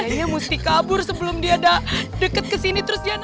kayaknya mesti kabur sebelum dia deket kesini terus dia